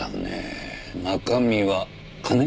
中身は金？